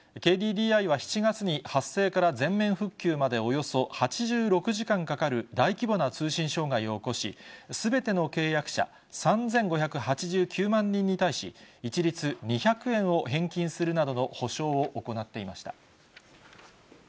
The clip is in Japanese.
ＫＤＤＩは７月に発生から全面復旧までおよそ８６時間かかる大規模な通信障害を起こし、すべての契約者３５８９万人に対し、一律２００円を返金するなどの補償を行っていました。